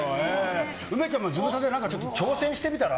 梅ちゃんもズムサタでなんか挑戦してみたら？